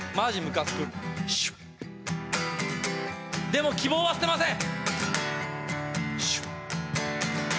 「でも希望は捨てません。